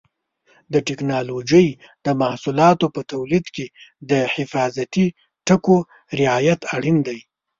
د ټېکنالوجۍ د محصولاتو په تولید کې د حفاظتي ټکو رعایت اړین دی.